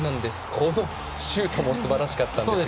このシュートもすばらしかったんですが。